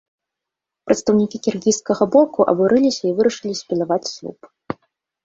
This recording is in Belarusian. Прадстаўнікі кіргізскага боку абурыліся і вырашылі спілаваць слуп.